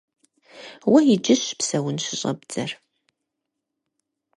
Уэ иджыщ псэун щыщӏэбдзэр.